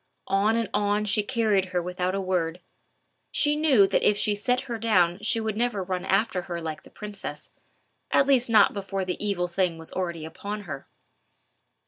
On and on she carried her without a word. She knew that if she set her down she would never run after her like the princess, at least not before the evil thing was already upon her.